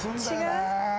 違う？